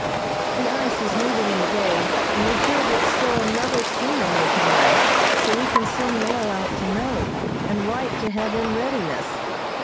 The ice is moving in the bay, and we hear that still another steamer may come in, so we can send mail out to Nome, and write to have in readiness.